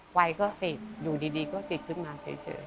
ไฟก็ติดอยู่ดีก็ติดขึ้นมาเฉย